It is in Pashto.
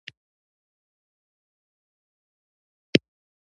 کاناډا د کب نیولو اداره لري.